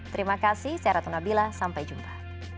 terima kasih saya ratna bila sampai jumpa